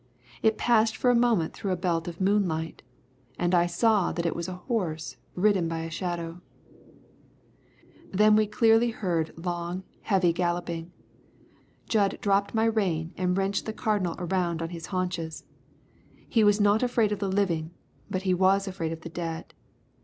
It passed for a moment through a belt of moonlight, and I saw that it was a horse ridden by a shadow. Then we clearly heard long, heavy galloping. Jud dropped my rein and wrenched the Cardinal around on his haunches. He was not afraid of the living, but he was afraid of the dead.